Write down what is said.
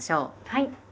はい。